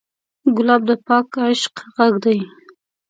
ګلاب د پاک عشق غږ دی.